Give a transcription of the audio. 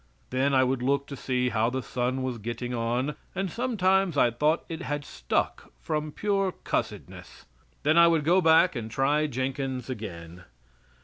Then I would look to see how the sun was getting on, and sometimes I thought it had stuck from pure cussedness. Then I would go back and try Jenkyn's again.